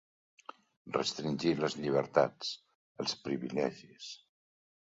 Restringir les llibertats, els privilegis.